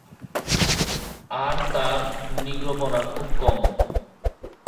আর তার নিগ্রোপনা খুব কম।